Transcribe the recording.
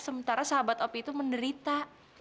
sementara sahabat opi itu menderita